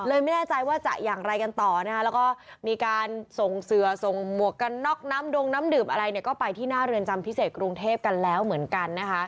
ไม่แน่ใจว่าจะอย่างไรกันต่อนะคะแล้วก็มีการส่งเสือส่งหมวกกันน็อกน้ำดงน้ำดื่มอะไรเนี่ยก็ไปที่หน้าเรือนจำพิเศษกรุงเทพกันแล้วเหมือนกันนะคะ